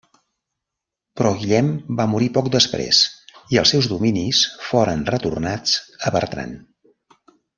Però Guillem va morir poc després i els seus dominis foren retornats a Bertran.